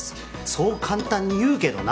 そう簡単に言うけどな。